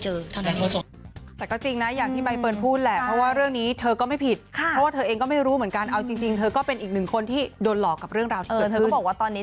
หนูค่อนข้างมั่นใจนะว่าหนูไม่ได้ทำอะไรผิดกับเรื่องนี้